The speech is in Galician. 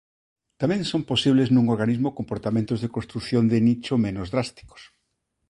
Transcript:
Tamén son posibles nun organismo comportamentos de construción de nicho menos drásticos.